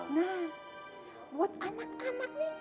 nah buat anak anak nih